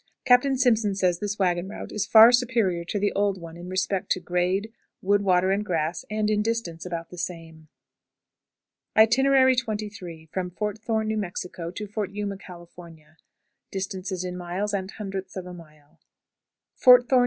Captain Simpson says this wagon route is far superior to the old one in respect to grade, wood, water, and grass, and in distance about the same. XXIII. From Fort Thorne, New Mexico, to Fort Yuma, California. [Distances in miles and hundredths of a mile.] Miles. Fort Thorne, N.